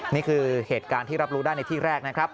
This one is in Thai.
นี่คือเหตุการณ์ที่รับรู้ได้ในที่แรกนะครับ